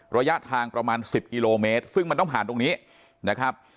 ระยะทางประมาณ๑๐กิโลเมตรซึ่งมันต้องผ่านตรงนี้นะครับ